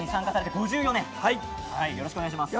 よろしくお願いします。